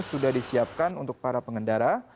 sudah disiapkan untuk para pengendara